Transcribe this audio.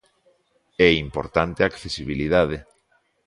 É importante a accesibilidade.